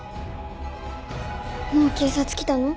もう警察来たの？